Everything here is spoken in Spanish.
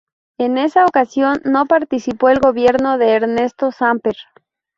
En esa ocasión no participó el gobierno de Ernesto Samper.